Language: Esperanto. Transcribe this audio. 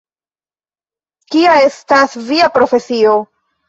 Kia estas via profesio?